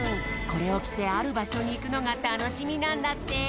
これを着てある場所に行くのがたのしみなんだって。